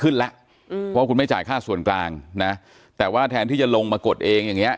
ขึ้นแล้วอืมเพราะว่าคุณไม่จ่ายค่าส่วนกลางนะแต่ว่าแทนที่จะลงมากดเองอย่างเงี้